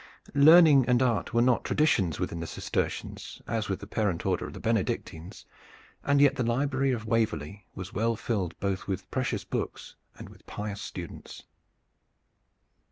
Learning and art were not traditions with the Cistercians as with the parent Order of the Benedictines, and yet the library of Waverley was well filled both with precious books and with pious students.